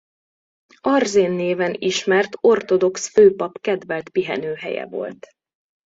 Arzén néven ismert ortodox főpap kedvelt pihenőhelye volt.